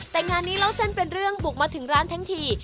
แต่งานนี้เล่าเส้นเป็นเรื่องบุกมาถึงร้านทั้งที